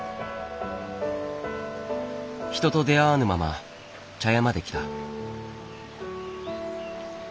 人と出会わぬまま茶屋まで来た。